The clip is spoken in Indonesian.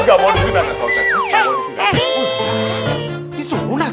gak mau disunat